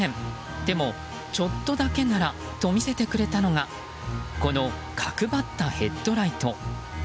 でもちょっとだけならと見せてくれたのがこの角ばったヘッドライト。